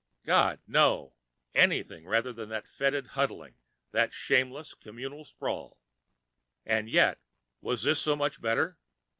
_God, no! Anything rather than that fetid huddling, that shameless communal sprawl. And yet, was this so much better?